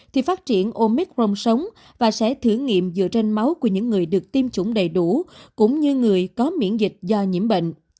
thì phát triển omic rome sống và sẽ thử nghiệm dựa trên máu của những người được tiêm chủng đầy đủ cũng như người có miễn dịch do nhiễm bệnh